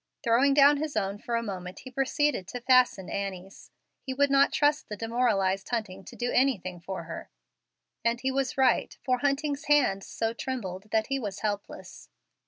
Throwing down his own for a moment, he proceeded to fasten Annie's. He would not trust the demoralized Hunting to do anything for her, and he was right, for Hunting's hands so trembled that he was helpless.